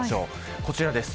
こちらです。